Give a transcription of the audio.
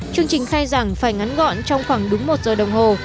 chương trình khai giảng phải ngắn gọn trong khoảng đúng một giờ đồng hồ